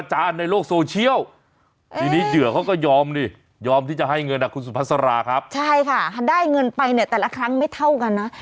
ใช่ค่ะถ้าได้เงินไปเนี่ยแต่ละครั้งไม่เท่ากันนะ